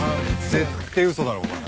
絶対嘘だろお前。